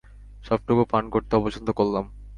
সবটুকু পান করতে অপছন্দ করলাম।